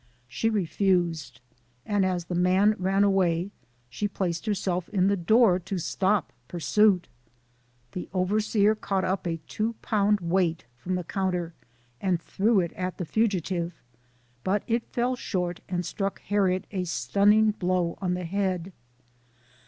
She refused, and as the man ran away, she placed herself in the door to stop pur suit. The overseer caught up a two pound weight from the counter and threw it at the fugitive, but it fell short and struck Harriet a stunning blow on the head.